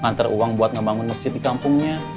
ngantar uang buat ngebangun masjid di kampungnya